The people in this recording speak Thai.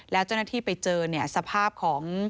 แล้วเจ้าหน้าที่ไปเจอสภาพของ